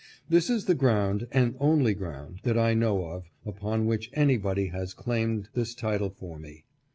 This is the ground, and only ground that I know of, upon which anybody has claimed this title for me.